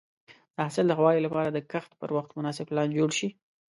د حاصل د ښه والي لپاره د کښت پر وخت مناسب پلان جوړ شي.